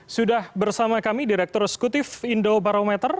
sudah bersama kami direktur sekutif indo barometer